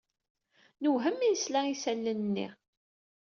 Newhem mi nesla i isallen-nni.